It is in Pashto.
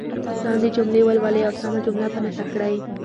لاندې جملې ولولئ او سمه جمله په نښه کړئ.